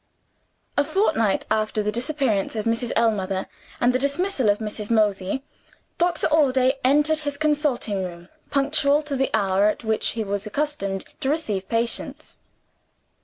A fortnight after the disappearance of Mrs. Ellmother, and the dismissal of Mrs. Mosey, Doctor Allday entered his consulting room, punctual to the hour at which he was accustomed to receive patients.